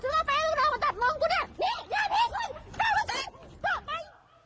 ฉันก็ไปอยู่กับคุณน้องมาจับมึงกูเนี่ยนี่อย่าพีชกลับไป